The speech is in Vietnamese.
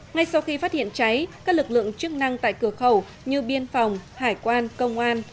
ngay sau khi phát hiện cháy các lực lượng chức năng tại cửa khẩu như biên phòng hải quan công an